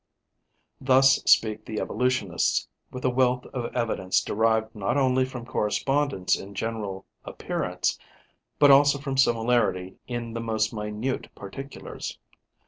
Thus speak the evolutionists, with a wealth of evidence derived not only from correspondence in general appearance, but also from similarity in the most minute particulars.